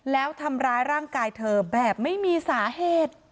แล้วทำร้ายร่างกายเธอแบบไม่มีสาเหตุ